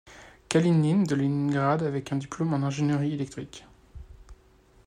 Kalinine de Leningrad avec un diplôme en ingénierie électrique.